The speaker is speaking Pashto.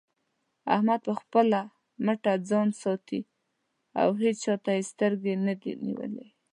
احمد په خپله مټه ځان ساتي او هيچا ته يې سترګې نه دې نيولې.